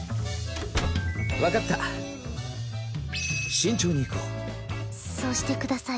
分かった慎重にいこうそうしてください